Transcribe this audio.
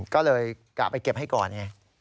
ก็เลยกลับไปเก็บให้ก่อนไง